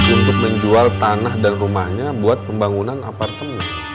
untuk menjual tanah dan rumahnya buat pembangunan apartemen